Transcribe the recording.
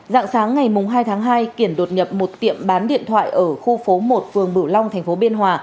dạng sáng ngày hai tháng hai kiển đột nhập một tiệm bán điện thoại ở khu phố một phường bửu long thành phố biên hòa